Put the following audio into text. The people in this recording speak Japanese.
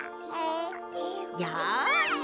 よし！